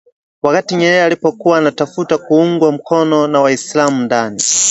wakati Nyerere alipokuwa anatafuta kuungwa mkono na Waislamu ndani